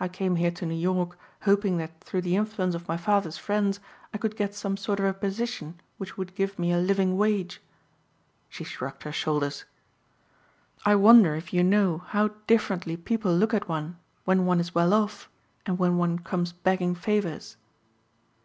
I came here to New York hoping that through the influence of my father's friends I could get some sort of a position which would give me a living wage." She shrugged her shoulders, "I wonder if you know how differently people look at one when one is well off and when one comes begging favors?"